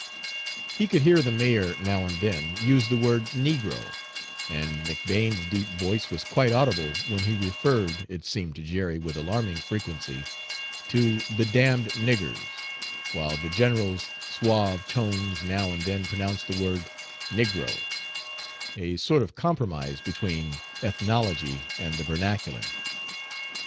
He could hear the major, now and then, use the word "negro," and McBane's deep voice was quite audible when he referred, it seemed to Jerry with alarming frequency, to "the damned niggers," while the general's suave tones now and then pronounced the word "niggro," a sort of compromise between ethnology and the vernacular.